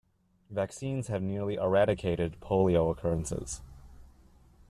Vaccines have nearly eradicated Polio occurrences.